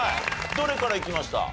どれからいきました？